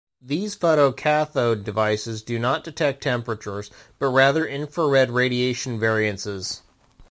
These photocathode devices do not detect temperatures, but rather infrared radiation variances.